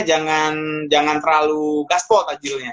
jangan terlalu gaspo tajilnya